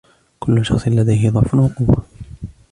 كل شخص لديه ضعف وقوة.